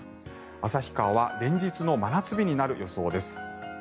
旭川は連日の真夏日になる予想です。